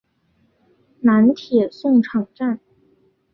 南铁送场站。